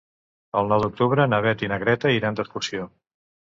El nou d'octubre na Beth i na Greta iran d'excursió.